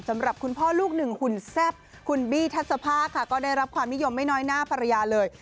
สำหรับคุณพ่อลูกหนึ่งหุ่นแซ่บคุณบี้ทัศภาค่ะก็ได้รับความนิยมไม่น้อยหน้าภรรยาเลย